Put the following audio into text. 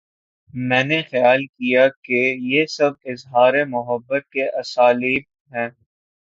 میں نے خیال کیا کہ یہ سب اظہار محبت کے اسالیب ہیں۔